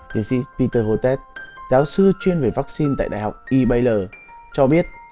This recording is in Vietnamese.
tiến sĩ peter hotez giáo sư chuyên về vaccine tại đại học e baylor cho biết